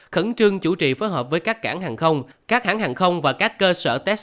khẩn trương chủ trì phối hợp với các cảng hàng không các hãng hàng không và các cơ sở test